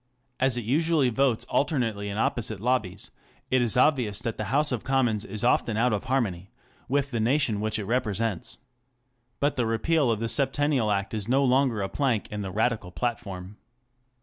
As it usually votes alternately in opposite' lobbies it is obvious that the House of Commons is often out of harmony with the nation which it represents. But the repeal of the Septennial Act is no longer a plank in the Radical platform.